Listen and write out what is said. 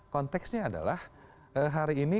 konteksnya adalah hari ini